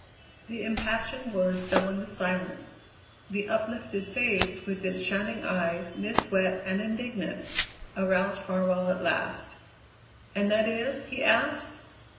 The impassioned words fell into silence; the uplifted face with its shining eyes, mist wet and indignant, aroused Farwell at last. "And that is?" he asked.